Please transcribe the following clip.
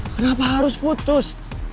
kenapa harus putus